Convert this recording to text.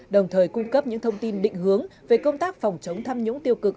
đồng thời cung cấp những thông tin định hướng về công tác phòng chống tham nhũng tiêu cực